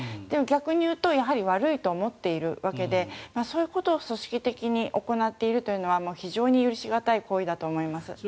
でも逆に言うと悪いと思っているわけでそういうことを組織的に行っているのは非常に許し難いことだと思います。